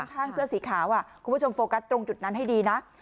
ข้างเสื้อสีขาวคุณผู้ชมโฟกัสตรงจุดนั้นให้ดีนะ